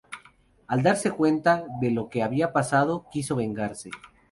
Al darse cuenta de lo que había pasado, quiso vengarse.